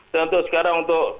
dan untuk sekarang untuk